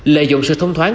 lợi dụng sự thông thoáng